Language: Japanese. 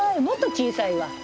もっと小さいわ。